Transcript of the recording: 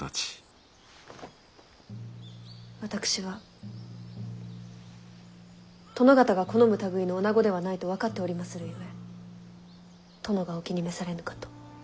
私は殿方が好む類いのおなごではないと分かっておりまするゆえ殿がお気に召されぬかと。